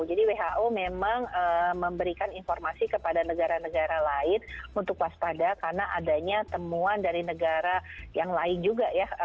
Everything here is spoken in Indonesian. jadi who memang memberikan informasi kepada negara negara lain untuk waspada karena adanya temuan dari negara yang lain juga ya